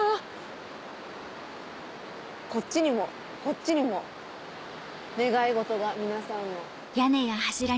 こっちにもこっちにも願い事が皆さんの。